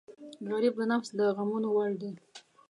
غریب د نفس د غمونو وړ دی